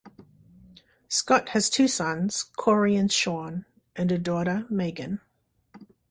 Scott has two sons, Corey and Shawn, and a daughter, Megan.